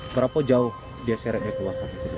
berapa jauh dia seretnya ke bawah